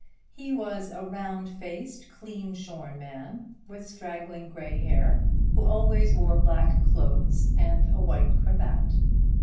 He was a round faced, clean shorn man, with straggling grey hair, who always wore black clothes and a white cravat.